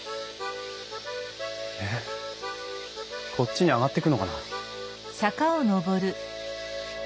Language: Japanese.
えっこっちに上がってくのかな？